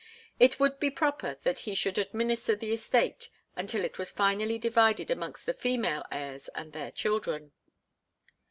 It would be proper that he should administer the estate until it was finally divided amongst the female heirs and their children.